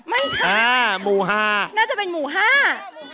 ไม่ใช่น่าจะเป็นหมูฮา